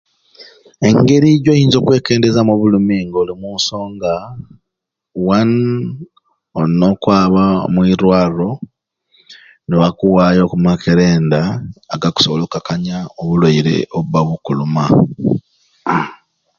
Engeri gyoyinza okwekendezamu obulumi nga oli munsonga wanuu onna okwaba omwirwaro nibakuwayo okumakerenda aga kusobola okakanya obulwaire obubba bukuluma.